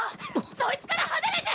そいつから離れて！！